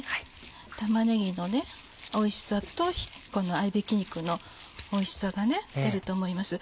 玉ねぎのおいしさとこの合びき肉のおいしさが出ると思います。